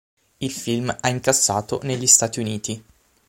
Il film ha incassato negli Stati Uniti.